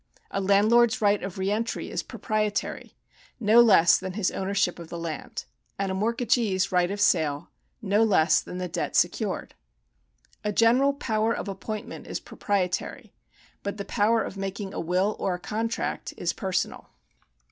A landlord's right of re entry is proprietary, no less than his ownership of the land ; and a mort gagee's i ight of sale, no less than the debt secured. A general power of appointment is proprietary, but the power of making a will or a contract is personal.